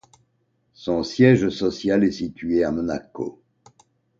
Son siège social est situé à Monaco.